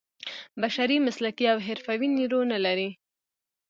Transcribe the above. بشري مسلکي او حرفوي نیرو نه لري.